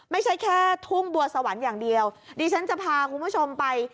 ไม่ใช่แค่ทุ่งบัวสวรรค์อย่างเดียวดิฉันจะพาคุณผู้ชมไป